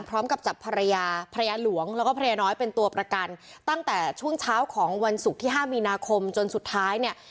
พร้อมกับจับภรรยาภรรยาหลวงแล้วก็ภรรยาน้อยเป็นตัวประกันตั้งแต่ช่วงเช้าของวันศุกร์ที่ห้ามีนาคมจนสุดท้ายเนี่ย